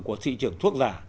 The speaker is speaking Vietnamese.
của thị trường thuốc giả